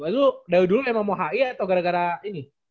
lu dari dulu emang mau hi atau gara gara ini